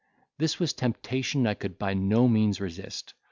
This was temptation I could by no means resist.